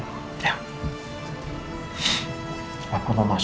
saya ketemu anak anak buah